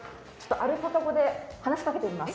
アルパカ語で話しかけてみます。